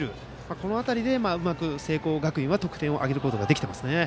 この辺りでうまく聖光学院は得点を挙げることができていますね。